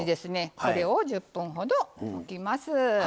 これを１０分ほどおきます。